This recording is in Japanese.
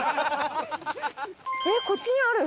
えっこっちにある？